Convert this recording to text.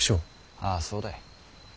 あぁそうだ。